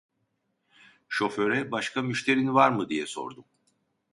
Şoföre: "Başka müşterin var mı?" diye sordum.